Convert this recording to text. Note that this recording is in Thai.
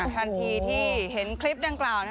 ทันทีที่เห็นคลิปดังกล่าว